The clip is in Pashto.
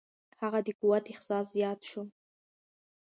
هغه د قوت احساس زیات شو.